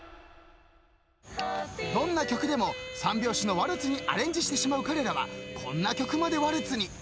［どんな曲でも３拍子のワルツにアレンジしてしまう彼らはこんな曲までワルツに］